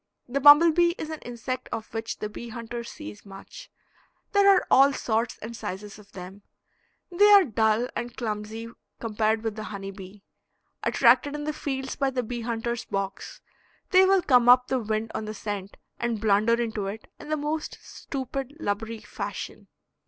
The bumble bee is an insect of which the bee hunter sees much. There are all sorts and sizes of them. They are dull and clumsy compared with the honey bee. Attracted in the fields by the bee hunter's box, they will come up the wind on the scent and blunder into it in the most stupid, lubberly fashion.